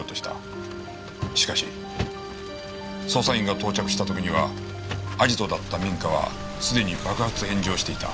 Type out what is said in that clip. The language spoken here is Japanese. しかし捜査員が到着した時にはアジトだった民家はすでに爆発炎上していた。